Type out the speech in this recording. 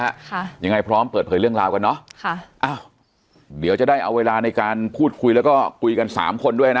ค่ะยังไงพร้อมเปิดเผยเรื่องราวกันเนอะค่ะอ้าวเดี๋ยวจะได้เอาเวลาในการพูดคุยแล้วก็คุยกันสามคนด้วยนะ